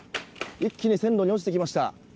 一気に線路に落ちてきました。